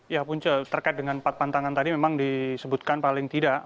ya punca terkait dengan empat pantangan tadi memang disebutkan paling tidak